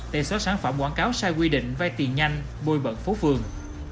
để xóa sản phẩm quảng cáo sai quy định vay tiền nhanh bôi bận phố phường